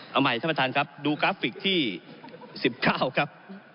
เอาใหม่ท่านประธานครับดูกราฟิกที่๑๙ครับ